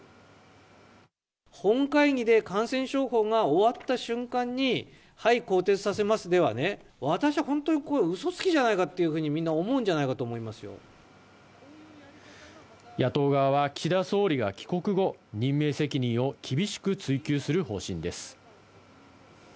本会議で感染症法が終わった瞬間に、はい、更迭させますではね、私は本当に、これはうそつきじゃないかというふうに、みんな思うんじゃないか野党側は岸田総理が帰国後、任命責任を厳しく追及する方針です。